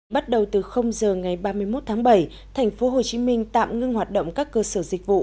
bắt đầu từ giờ ngày ba mươi một tháng bảy thành phố hồ chí minh tạm ngưng hoạt động các cơ sở dịch vụ